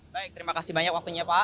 baik terima kasih banyak waktunya pak